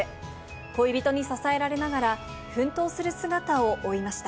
恋人に支えられながら、奮闘する姿を追いました。